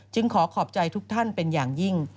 ขอขอบใจทุกท่านเป็นอย่างยิ่ง